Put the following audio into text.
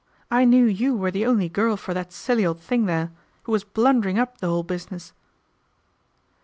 " I knew you were the only girl for that silly old thing there, who was blundering up the whole business."